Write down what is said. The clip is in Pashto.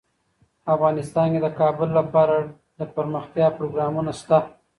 افغانستان کې د کابل لپاره دپرمختیا پروګرامونه شته.